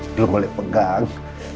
belum boleh pegang